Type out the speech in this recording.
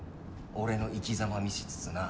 俺の生きざま見せつつな。